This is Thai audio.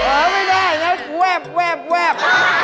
เออไม่ได้นะแวบ